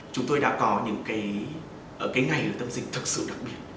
chúng tôi đã có những ngày tâm dịch thực sự đặc biệt